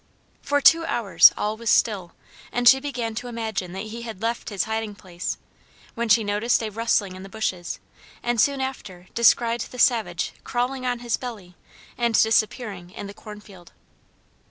For two hours all was still and she began to imagine that he had left his hiding place, when she noticed a rustling in the bushes and soon after descried the savage crawling on his belly and disappearing in the cornfield.